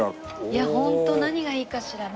いやホント何がいいかしらね。